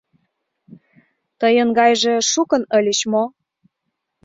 — Тыйын гайже шукын ыльыч мо?